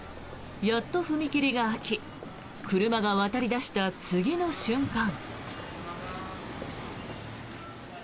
やっと踏切が開き車が渡り出した次の瞬間。